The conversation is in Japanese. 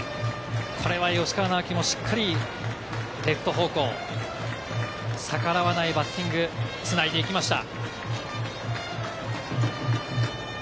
これは吉川尚輝もしっかりレフト方向、逆らわないバッティング、繋いでいきました。